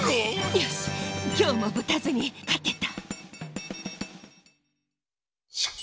よしきょうもぶたずにかてた。